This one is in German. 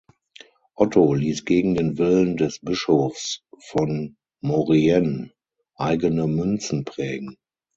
Otto ließ gegen den Willen des Bischofs von Maurienne eigene Münzen prägen.